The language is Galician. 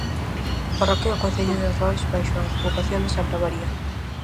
Parroquia do concello de Rois baixo a advocación de santa María.